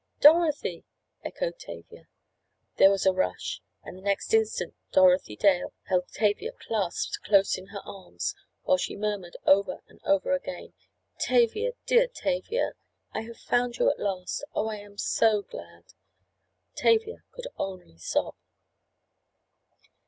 "Dorothy!" echoed Tavia. There was a rush, and the next instant Dorothy Dale held Tavia clasped close in her arms, while she murmured, over and over again: "Tavia! Dear Tavia! I have found you at last! Oh, I am so glad!" Tavia could only sob.